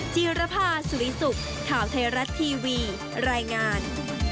จีรภาสุริสุขข่าวไทยรัฐทีวีรายงาน